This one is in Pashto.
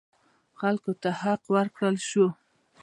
خلکو ته حق ورکړل شو.